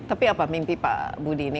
tapi apa mimpi pak budi ini